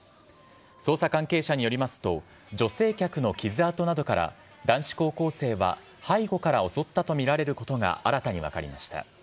捜査関係者によりますと、女性客の傷跡などから、男子高校生は背後から襲ったと見られることが新たに分かりました。